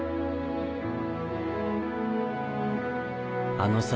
あのさ。